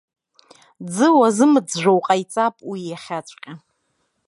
Ӡы уазымӡәӡәо уҟаиҵап уи иахьаҵәҟьа.